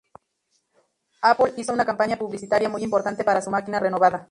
Apple hizo una campaña publicitaria muy importante para su máquina renovada.